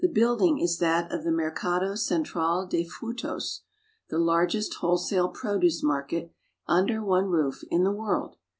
building is that of the Mercado Central des Frutos, the largest wholesale produce market, under one roof, in the world.